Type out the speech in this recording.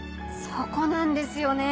そこなんですよね！